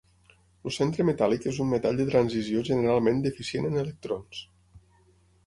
El centre metàl·lic és un metall de transició generalment deficient en electrons.